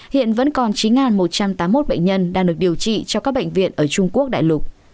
hiện vẫn còn chín một trăm tám mươi một bệnh nhân đang được điều trị cho các bệnh viện ở trung quốc đại lục